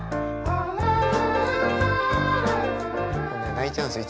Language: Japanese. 泣いちゃうんですよ